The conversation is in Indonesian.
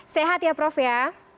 sehat ya prof ya